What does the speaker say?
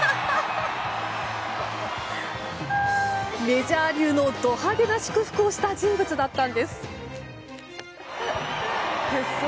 メジャー流のド派手な祝福をした人物だったんです。